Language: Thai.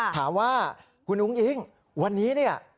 ถามว่าคุณอุ้งอิ๊งวันนี้เนี่ย